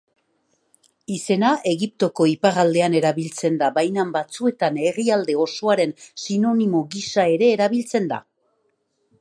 Izena Egiptoko iparraldean erabiltzen da, baina batzuetan herrialde osoaren sinonimo gisa ere erabiltzen da.